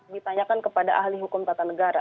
ditanyakan kepada ahli hukum tata negara